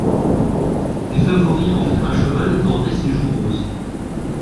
Des favoris en fer a cheval bordaient ses joues roses.